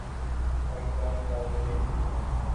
پاکستان، بھارتی فلموں